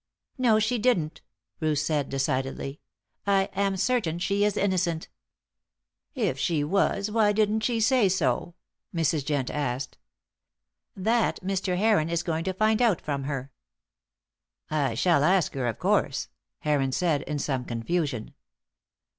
"No, she didn't," Ruth said, decidedly. "I am certain she is innocent." "If she was, why didn't she say so?" Mrs. Jent asked. "That Mr. Heron is going to find out from her." "I shall ask her, of course," Heron said, in some confusion.